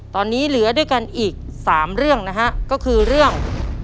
ตอนนี้เหลือด้วยกันอีก๓เรื่องนะฮะก็คือเรื่อง